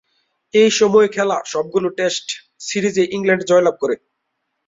এই সময়ে খেলা সবগুলি টেস্ট সিরিজে ইংল্যান্ড জয়লাভ করে।